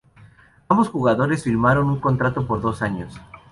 Ambos jugadores firmaron un contrato por dos años.